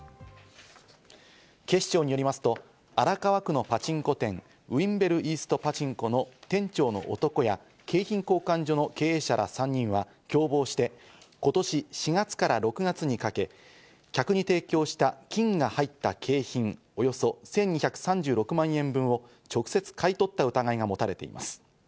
警視庁によりますと荒川区のパチンコ店、ウインベル・イースト・パチンコの店長の男や、景品交換所の経営者ら３人は共謀して、今年４月から６月にかけ、客に提供した金が入った景品、およそ１２３６万円分を直接買い取った疑いが持たれています。